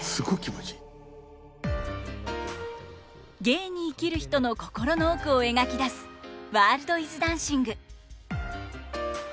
芸に生きる人の心の奥を描き出す「ワールドイズダンシング」。